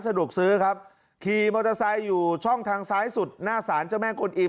สะดวกซื้อครับขี่มอเตอร์ไซค์อยู่ช่องทางซ้ายสุดหน้าศาลเจ้าแม่กวนอิ่